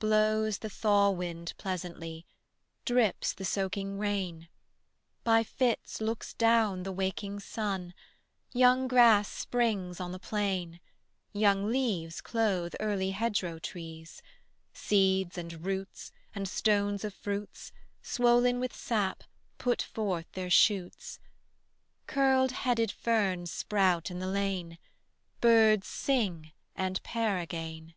Blows the thaw wind pleasantly, Drips the soaking rain, By fits looks down the waking sun: Young grass springs on the plain; Young leaves clothe early hedgerow trees; Seeds, and roots, and stones of fruits, Swollen with sap, put forth their shoots; Curled headed ferns sprout in the lane; Birds sing and pair again.